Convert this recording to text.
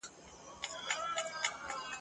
ځینی تور دي ځینی خړ ځینی سپېره دي !.